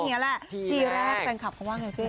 ปีแรกแฟนคับเขาว่าไงเจ๊